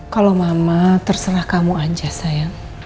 kalau mama terserah kamu aja saya